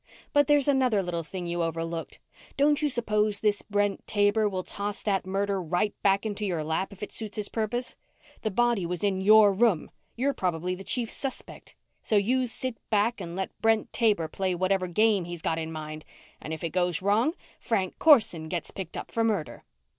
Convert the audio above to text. But there's another little thing you overlooked. Don't you suppose this Brent Taber will toss that murder right back into your lap if it suits his purpose? The body was in your room. You're probably the chief suspect. So you sit back and let Brent Taber play whatever game he's got in mind. And if it goes wrong, Frank Corson gets picked up for murder."